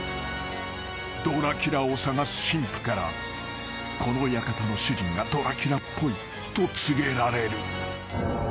［ドラキュラを捜す神父からこの館の主人がドラキュラっぽいと告げられる］